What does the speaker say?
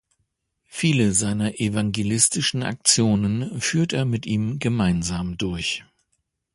Viele seiner evangelistischen Aktionen führt er mit ihm gemeinsam durch.